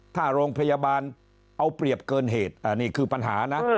ถ้าโรงพยาบาลเอาเปรียบเกินเหตุอันนี้คือปัญหานะ